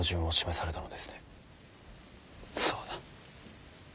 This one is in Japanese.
そうだ。